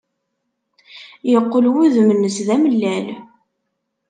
Yeqqel wudem-nnes d amellal.